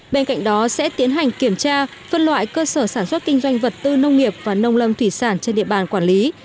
bên cạnh đó sẽ tiến hành kiểm tra phân loại cơ sở sản xuất kinh doanh vật tư nông nghiệp và nông lâm thủy sản trên địa bàn quản lý